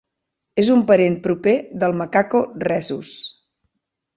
És un parent proper del macaco rhesus.